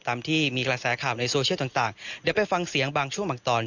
ตามที่มีกระแสข่าวในโซเชียลต่างเดี๋ยวไปฟังเสียงบางช่วงบางตอน